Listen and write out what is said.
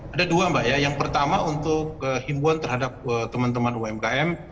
ada dua mbak ya yang pertama untuk himbuan terhadap teman teman umkm